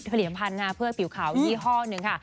ผลิตภัณฑ์เพื่อผิวขาวยี่ห้อหนึ่งค่ะ